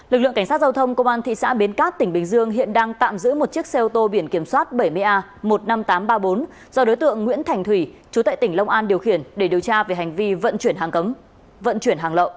lực lượng cảnh sát giao thông công an thị xã bến cát tỉnh bình dương hiện đang tạm giữ một chiếc xe ô tô biển kiểm soát bảy mươi a một mươi năm nghìn tám trăm ba mươi bốn do đối tượng nguyễn thành thủy chú tại tỉnh long an điều khiển để điều tra về hành vi vận chuyển hàng cấm vận chuyển hàng lậu